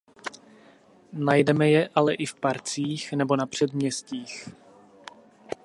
Najdeme je ale i v parcích nebo na předměstích.